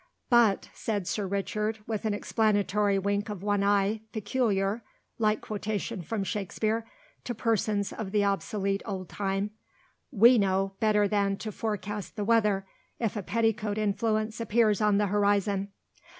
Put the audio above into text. But," said Sir Richard, with the explanatory wink of one eye peculiar (like quotation from Shakespeare) to persons of the obsolete old time, "we know better than to forecast the weather if a petticoat influence appears on the horizon.